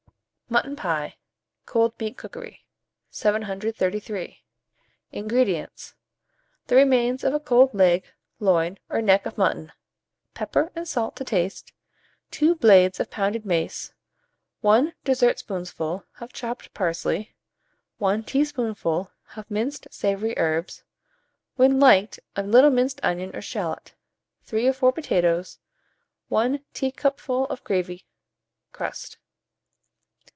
MUTTON PIE (Cold Meat Cookery). 733. INGREDIENTS. The remains of a cold leg, loin, or neck of mutton, pepper and salt to taste, 2 blades of pounded mace, 1 dessertspoonful of chopped parsley, 1 teaspoonful of minced savoury herbs; when liked, a little minced onion or shalot; 3 or 4 potatoes, 1 teacupful of gravy; crust.